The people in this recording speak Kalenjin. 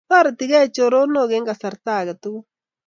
toretigei chironok Eng' kasarta age tugul